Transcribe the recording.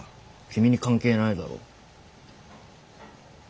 君に関係ないだろ。